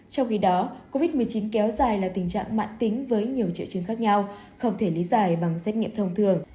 trong khi đó covid một mươi chín kéo dài là tình trạng mạng tính với nhiều triệu chứng khác nhau không thể lý giải bằng xét nghiệm thông thường